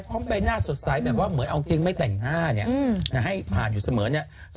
ท่านดัไม่พาดอยู่เสมอเนี่ย